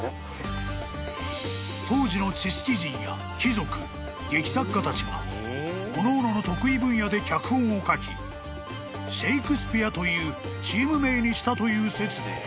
［当時の知識人や貴族劇作家たちがおのおのの得意分野で脚本を書きシェイクスピアというチーム名にしたという説で］